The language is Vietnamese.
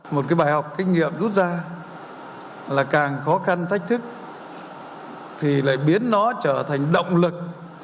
một cái bài học kinh nghiệm rút ra là càng khó khăn thách thức thì lại biến nó trở thành động lực